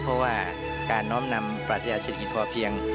เพราะว่าการน้องนำปราศนาศิลปิศพอเพียง